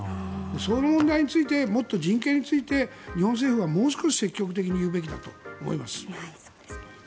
その問題についてもっと人権について日本政府はもう少し積極的に言うべきだと思います。